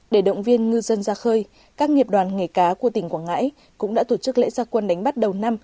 để động viên ngư dân ra khơi các nghiệp đoàn nghề cá của tỉnh quảng ngãi cũng đã tổ chức lễ gia quân đánh bắt đầu năm